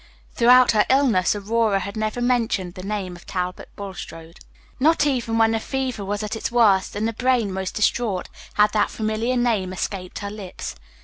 Throughout her illness, Aurora had never mentioned the name of Talbot Bulstrode. Not even when the fever was at its worst, and the brain most distraught, had that familiar name escaped her lips.